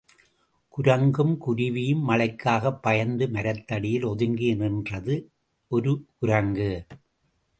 குரங்கும் குருவியும் மழைக்காகப் பயந்து மரத்தடியில் ஒதுங்கி நின்றது ஒரு குரங்கு.